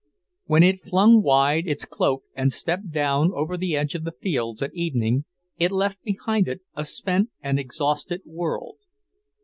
When it flung wide its cloak and stepped down over the edge of the fields at evening, it left behind it a spent and exhausted world.